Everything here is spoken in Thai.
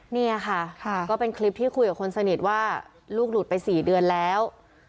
นี่ค่ะก็เป็นคลิปที่คุยกับคนสนิทว่าลูกหลุดไป๔เดือนแล้ว